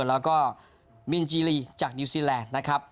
แล้วก็มินจีรีจากนิวซีแลนด์นะครับ